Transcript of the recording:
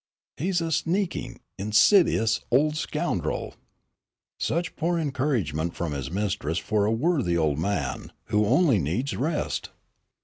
"He's a sneaking, insidious, old scoundrel." "Such poor encouragement from his mistress for a worthy old man, who only needs rest!"